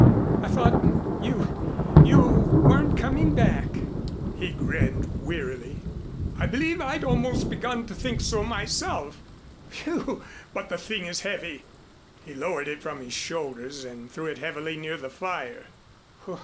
I thought you you weren't coming back." He grinned wearily. "I believe I'd almost begun to think so myself. Phew! But the thing is heavy!" He lowered it from his shoulders and threw it heavily near the fire.